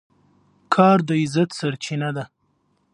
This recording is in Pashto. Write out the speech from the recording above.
کار د عزت سرچینه ده.